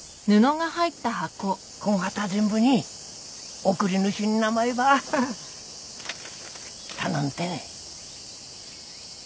こん旗全部に送り主ん名前ば頼んてね。